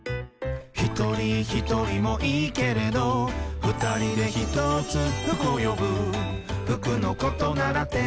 「ひとりひとりもいいけれど」「ふたりでひとつふくをよぶ」「ふくのことならテーラースキマ」